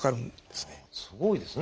すごいですね。